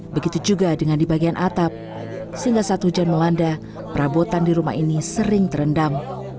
begitu juga dengan di bagian atap sehingga saat hujan melanda perabotan di rumah ini sering terendam